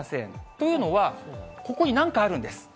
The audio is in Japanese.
というのは、ここになんかあるんです。